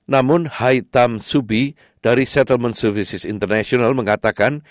namun hai tam subi dari settlement services international mengatakan